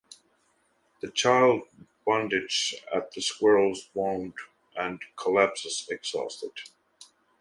The child bandages the squirrel's wound, and collapses exhausted.